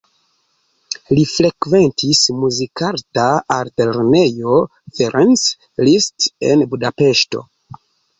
Li frekventis Muzikarta Altlernejo Ferenc Liszt en Budapeŝto.